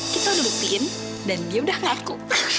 kita udah lupiin dan dia udah ngaku